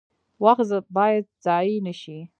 وخت باید ضایع نشي